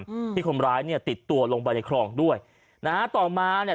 อืมที่คนร้ายเนี้ยติดตัวลงไปในคลองด้วยนะฮะต่อมาเนี้ย